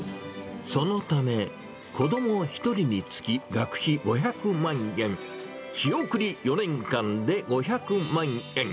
そのため、子ども１人につき学費５００万円、仕送り４年間で５００万円。